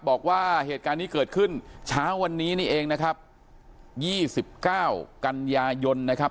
บอกว่าเหตุการณ์นี้เกิดขึ้นเช้าวันนี้นี่เองนะครับยี่สิบเก้ากันยายนนะครับ